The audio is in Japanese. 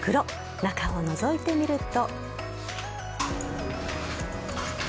中をのぞいてみると。